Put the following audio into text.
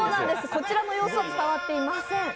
こちらの様子は伝わっておりません。